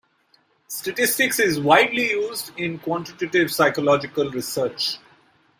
Statistics is widely used in quantitative psychological research.